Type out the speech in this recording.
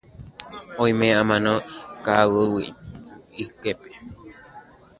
Oime amo ka'aguy yképe.